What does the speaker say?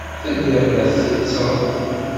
Telliḍ la tsetteḍ?